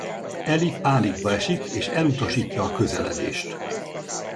Eli pánikba esik és elutasítja a közeledést.